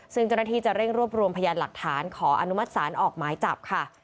ซึ่งเจ้าหน้าที่จะเร่งรวบรวมพยานหลักฐานขออนุมัติศาลออกหมายจับค่ะ